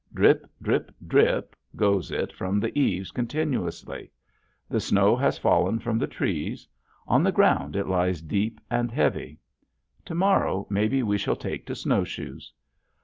Drip, drip, drip, goes it from the eaves continuously. The snow has fallen from the trees. On the ground it lies deep and heavy. To morrow maybe we shall take to snowshoes.